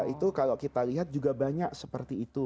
itu kalau kita lihat juga banyak seperti itu